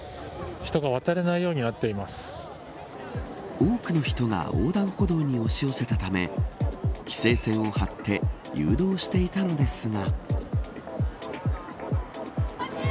多くの人が横断歩道に押し寄せたため規制線を張って誘導していたのですが。